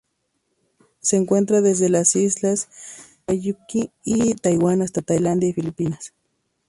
Se encuentra desde las Islas Ryukyu y Taiwán hasta Tailandia y Filipinas.